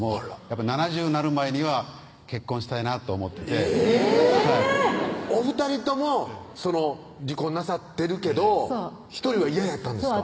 ７０なる前には結婚したいなと思っててえぇお２人とも離婚なさってるけど独りは嫌やったんですか？